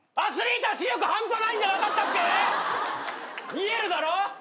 見えるだろ。